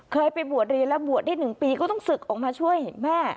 เคยไปบวชเรียนแล้วบวชได้๑ปีก็ต้องศึกออกมาช่วยแม่